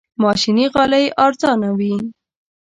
ماشيني غالۍ ارزانه وي.